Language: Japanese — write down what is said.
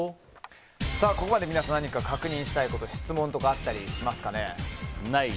ここまで皆さん何か確認したいことや質問とかあったりしますかね。